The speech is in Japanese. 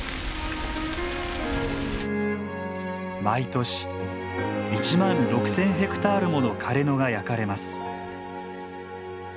毎年１万６，０００ヘクタールもの枯れ野が焼かれます。